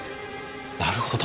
なるほど。